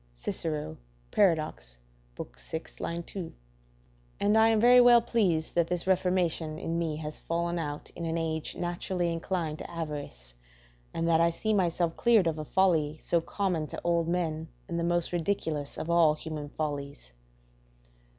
Idem, ibid., vi. 2.] And I am very well pleased that this reformation in me has fallen out in an age naturally inclined to avarice, and that I see myself cleared of a folly so common to old men, and the most ridiculous of all human follies.